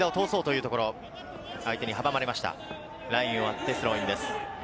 ラインを割ってスローインです。